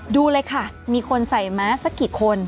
ดูเลยค่ะมีคนใส่ม้าสักกี่คน